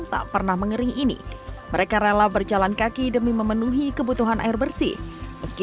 tak pernah mengering ini mereka rela berjalan kaki demi memenuhi kebutuhan air bersih meski